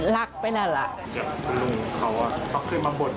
รักไปหน้าหลัก